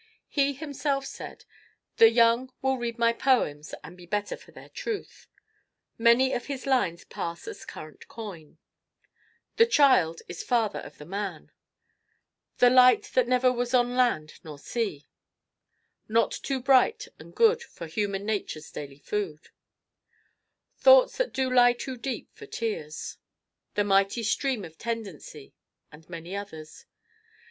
He himself said, "The young will read my poems and be better for their truth." Many of his lines pass as current coin: "The child is father of the man," "The light that never was on land nor sea," "Not too bright and good for human nature's daily food," "Thoughts that do lie too deep for tears," "The mighty stream of tendency," and many others.